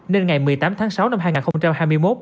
nên ngày một mươi tám tháng sáu năm hai nghìn hai mươi một